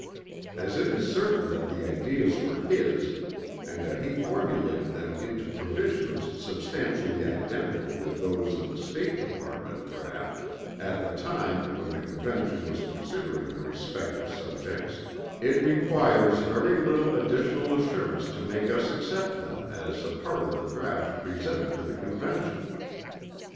As it is certain that the ideas were his, and that he formulated them into provisions substantially identical with those in the State Department draught, at the time when the Convention was considering the respective subjects, it requires very little additional assurance to make us accept them as a part of the draught presented to the Convention.